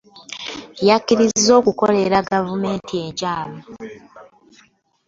Yakkiriza okukolera gavumenti enkyamu